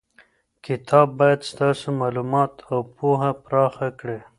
کتاب باید ستاسو معلومات او پوهه پراخه کړي.